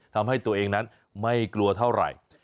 ทำให้ตัวเองนั้นไม่กลัวเท่าไหร่